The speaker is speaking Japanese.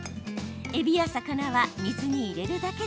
えびや魚は水に入れるだけでＯＫ。